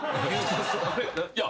いや。